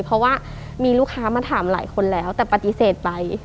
เพราะว่ามีลูกค้ามาถามหลายคนแล้วแต่ปฏิเสธไป